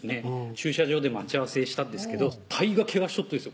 駐車場で待ち合わせしたんですけどたいがケガしとっとですよ